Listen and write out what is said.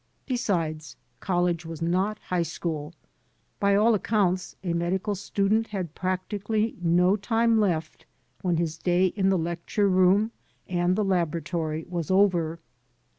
Besides, college was not high school. By all accounts a medical student had practi cally no time left when his day in the lecture room and the laboratory was over.